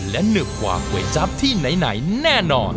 และหนึบกว่าก๋วยจั๊บที่ไหนแน่นอน